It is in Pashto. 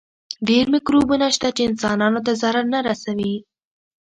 ډېر مکروبونه شته چې انسانانو ته ضرر نه رسوي.